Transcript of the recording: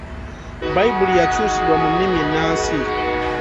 Bbayibuli yakyusibwa mu nnimi ennansi.